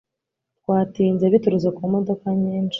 Twatinze biturutse ku modoka nyinshi